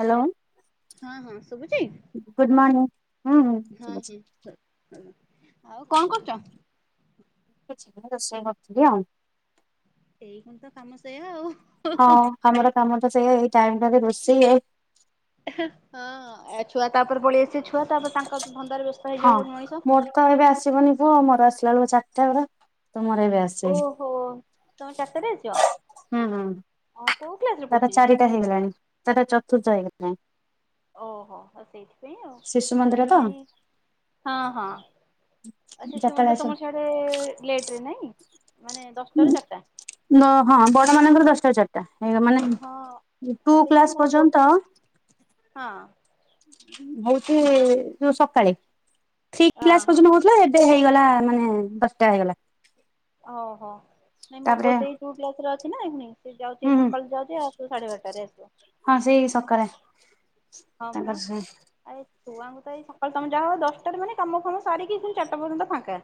Hello ହଁ ହଁ ଶୁଭୁଚି? ଗୁଡ଼ ମନି ହଁ ହିଁ ହ ହୋ ହୋ ଆଉ କଣ କରୁଚ? କିଛି ନାଁ ରୋଷେଇ କରଥିଲି ଆଉ। ସେଇ ପୁଣି ତ କାମ ସେଇଆ ଆଉ। ହଁ ଆମର କାମ ତ ସେଇ ଏଇ ଟାଇମ ଟାରେ ରୋଷେଇ ହଁ ଆ ଛୁଆ ତାପରେ ପଳେଇ ଆସିବେ ଛୁଆ ତାପରେ ତାଙ୍କ ଧନ୍ଦାରେ ବ୍ୟସ୍ ହଁ ମୋର ତ ଏବେ ଆସିବନି ପୁଅ ମୋର ଆସିଲା ବେଳକୁ ଚାରଟା ବେଡେ ତମର ଏବେ ଆସ ଓହୋ ତମେ ଚାରଟା ଆସିବ ଆ କୋଉ କ୍ଲା ତାଟା ଚାରିଟା ହେଇଗେଲାଣି ସେଟା ଚତୁର୍ଥା ହେଇଗଲା। ଓହୋ ଆ ସେଇଥିପାଇଁ ଆଉ ଶିଶୁ ମନ୍ଦିର ତ ନାଇଁ ହଁ ହଁ। ଯେତେବେଳେ ଆସ ସେ ଲେଟରେ ନାଇଁ ମାନେ ଦଶଟା ରୁ ଚାରିଟା। ନ ହଁ ବଡ ମାନଙ୍କର ଦଶଟା ଚାରିଟା ହେଁ ମାନେ ହଁ ଟୁ ସେଇପା କ୍ଲାସ ମୋ ପୁଅ ପର୍ଯ୍ୟନ୍ତ ହଁ। ହଉଚି ଯୋଉ ସକାଳେ ଥି ହଁ କ୍ଲାସ୍ ହଁ। ପର୍ଯ୍ୟନ୍ତ ଯେ ଏବେ ହେଇଗଲା ମାନେ ଦଶଟା ହେଇଗଲା। ଓହୋ ନାଇଁ ମୋ ତାପରେ ପୋ ସେେଇ ଟୁ କ୍ଲାସରେ ଅଛି ନା ଏଇ ପୁଣି ସେ ଯାଉଚି ହୁଁ ହୁଁ ସକାଳୁ ଯାଉଚି ଆସୁ ସାଢେ ବାରଟାରେ ଆସିବ। ହଁ ସେଇ ସକାରେ। ହଁ ପରା। ଆଏ ଛୁଆଙ୍କୁ ତ ଏଇ ସକାଳ ଟାମ୍ ଯାହା ଦଶଟାରେ ମାନେ କାମ କାମ ସାରିକି ପୁଣି ଚାରିଟା ପର୍ଯ୍ୟନ୍ତ ଫାଙ୍କା।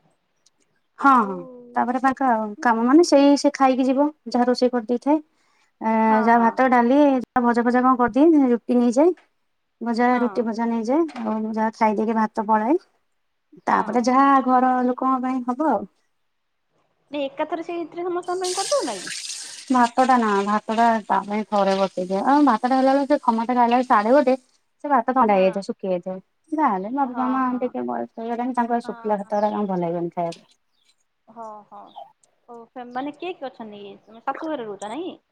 ହଁ ଆଉ ତାପରେ ତାଙ୍କା କାମ ମାନେ ସେଇ ସେ ଖାଇକି ଯିବ ଯାହା ରୋଷେଇ କରିଦେଇଥାଏ ଏ ହଁ ଯା ହଁ ଭାତ ଡାଲି ଯ ଭଜା ଫଜା କ କରିଦିଏ ରୁଟି ନେଇଯାଏ। ଭଜା ହଁ ରୁଟି ଭଜା ନେଇଯାଏ ଆଉ ମୁଁ ଯାହା ଖାଇଦେଇକି ଭାତ ପଳଏ। ତାପରେ ହଁ। ଯାହା ଘର ଲୋକଙ୍କ ପାଇଁ ହବ ଆଉ। ଡି ଏକାଥର ସେଇଥିରେ [unintelligible] କରଦୌନ କି? ଭାତଟା ନା ଭାତଟା ତା ପାଇଁ ଥରେ ବସେଇଦିଏ, ଆଉ ଭାତ ଟା ହେଲା ବେଳକୁ ସେ ସମସ୍ତେ ଖାଇଲାବେଳେ ସାଢେ ଗୋଟେ। ସେ ଭାତ ଥଣ୍ଡା ହେଇଯାଇଥିବ ହଁ ଶୁଖି ଯାଇଥିବ। ଯାହେଲେ ହଁ ବାପା ମା ହଁ ଟିକେ ବୟସ ହେଇଗଲାଣି, ତାଙ୍କୁ ଆଉ ହଁ ସୁଖିଲା ଭାତ ଅରା କଣ ଭଲ ଲାଗିବନି ଖାଇଆକୁ। ସେମାନେ କିଏ କିଏ ଅଛନ୍ତି କି? ତମେ ଶାଶୁ ଘରେ ରହୁଚ ନାଇଁ କି?